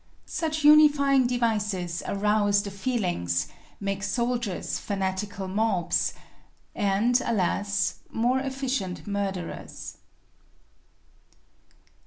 Such unifying devices arouse the feelings, make soldiers fanatical mobs and, alas, more efficient murderers.